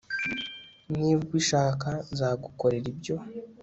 Niba ubishaka nzagukorera ibyo